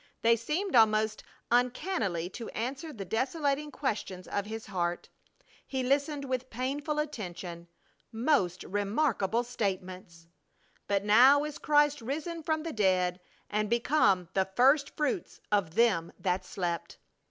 They seemed almost uncannily to answer the desolating questions of his heart. He listened with painful attention. Most remarkable statements! "But now is Christ risen from the dead and become the first fruits of them that slept!"